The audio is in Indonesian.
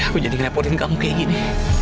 aku jadi ngerepotin kamu kayak gini